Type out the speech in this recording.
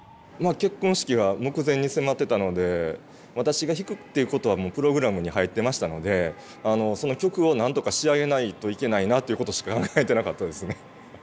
結婚式が目前に迫ってたので私が弾くっていうことはもうプログラムに入ってましたのでその曲をなんとか仕上げないといけないなということしか考えてなかったですね。